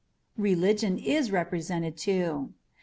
Religion is represented, too.